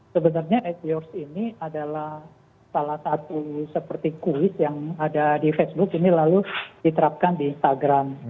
sebenarnya ad yours ini adalah salah satu seperti kuis yang ada di facebook ini lalu diterapkan di instagram